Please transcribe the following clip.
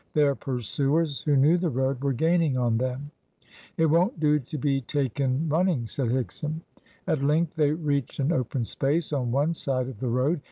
Their pursuers, who knew the road, were gaining on them. "It won't do to be taken running," said Higson. At length they reached an open space on one side of the road.